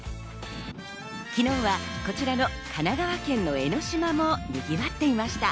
昨日はこちらの神奈川県の江の島もにぎわっていました。